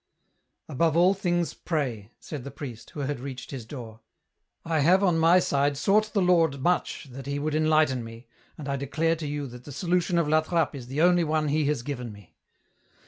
" Above all things pray," said the priest, who had reached his door. " I have on my side sought the Lord much that He would enlighten me, and I declare to you that the solution of La Trappe is the only one He has given me.